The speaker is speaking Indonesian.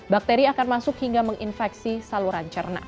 bakteri akan masuk hingga menginfeksi saluran cerna